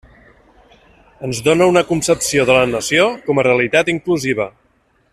Ens dóna una concepció de la nació com a realitat inclusiva.